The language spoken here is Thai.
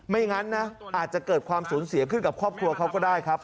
อย่างนั้นนะอาจจะเกิดความสูญเสียขึ้นกับครอบครัวเขาก็ได้ครับ